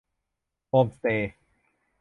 โฮมสเตย์